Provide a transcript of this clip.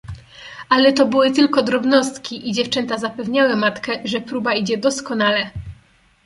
"Ale to były tylko drobnostki i dziewczęta zapewniały matkę, że próba idzie doskonale."